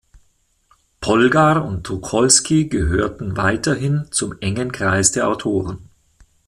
Polgar und Tucholsky gehörten weiterhin zum engen Kreis der Autoren.